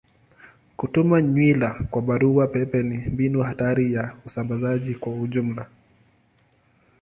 Kutuma nywila kwa barua pepe ni mbinu hatari ya usambazaji kwa ujumla.